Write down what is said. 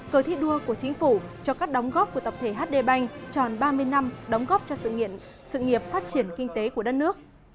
cờ thi đua của chính phủ cho các đóng góp của tập thể hd bành tròn ba mươi năm đóng góp cho sự nghiệp phát triển kinh tế của đất nước